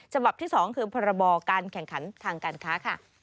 ฉบับที่๒คือพรบการแข่งขันทางการค้าค่ะ